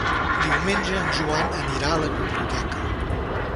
Diumenge en Joan anirà a la biblioteca.